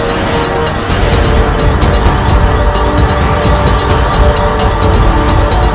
ataupun bigil dan angowata yang dipilih